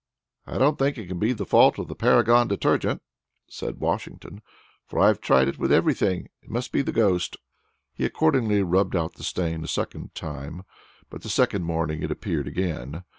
"I don't think it can be the fault of the Paragon Detergent," said Washington, "for I have tried it with everything. It must be the ghost." He accordingly rubbed out the stain a second time, but the second morning it appeared again.